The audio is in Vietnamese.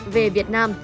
về việt nam